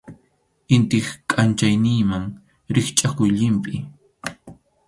Intip kʼanchayninman rikchʼakuq llimpʼi.